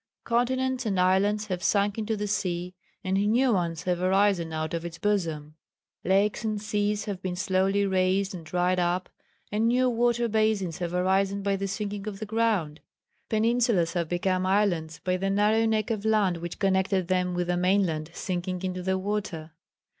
Continents and islands have sunk into the sea, and new ones have arisen out of its bosom. Lakes and seas have been slowly raised and dried up, and new water basins have arisen by the sinking of the ground. Peninsulas have become islands by the narrow neck of land which connected them with the mainland sinking into the water.